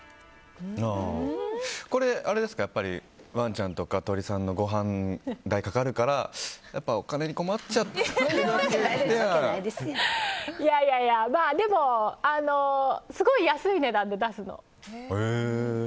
これ、あれですかやっぱりワンちゃんとか鳥さんのごはん代がかかるからお金にでも、すごい安い値段で出すの。